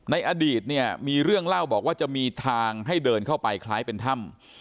อดีตเนี่ยมีเรื่องเล่าบอกว่าจะมีทางให้เดินเข้าไปคล้ายเป็นถ้ำ